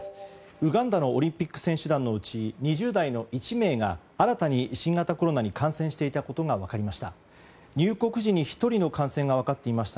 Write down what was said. ウガンダのオリンピック選手団のうち２０代の１名が新たに新型コロナに感染していたことが分かりました。